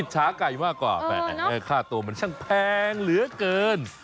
ฉาไก่มากกว่าค่าตัวมันช่างแพงเหลือเกิน